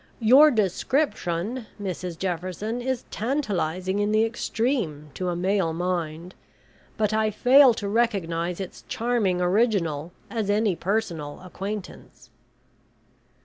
Your description, Mrs Jefferson, is tantalising in the extreme to a male mind, but I fail to recognise its charming original as any personal acquaintance."